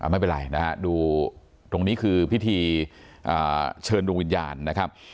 ไม่เป็นไหร่นะตรงนี้คือพิธีเชิญบุญญาณนะครับ